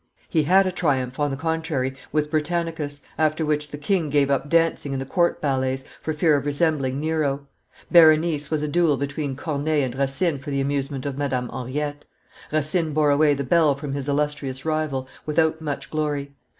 He had a triumph, on the contrary, with Britannicus, after which the, king gave up dancing in the court ballets, for fear of resembling Nero. Berenice was a duel between Corneille and Racine for the amusement of Madame Henriette. Racine bore away the bell from his illustrious rival, without much glory.